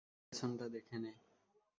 আয়নায় পেছনটা দেখে নে।